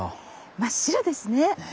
真っ白ですね。ね。